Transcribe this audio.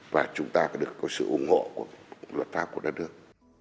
và chúng ta được có sự ủng hộ của luật pháp của đất nước